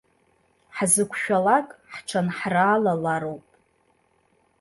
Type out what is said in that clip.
Ҳзықәшәалак ҳҽанҳраалалароуп.